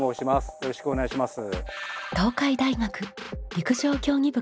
よろしくお願いします。